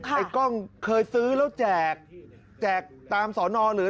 ไอ้กล้องเคยซื้อแล้วแจกแจกตามสอนอหรือ